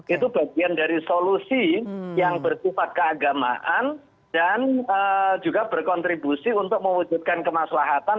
itu bagian dari solusi yang bersifat keagamaan dan juga berkontribusi untuk mewujudkan kemaslahatan